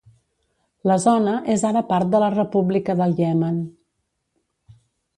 La zona és ara part de la República del Iemen.